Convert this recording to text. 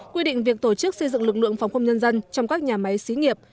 quy định việc tổ chức xây dựng lực lượng phòng không nhân dân trong các nhà máy xí nghiệp